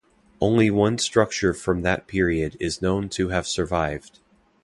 Only one structure from that period is known to have survived.